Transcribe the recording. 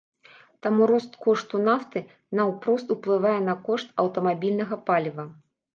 Таму рост кошту нафты наўпрост уплывае на кошт аўтамабільнага паліва.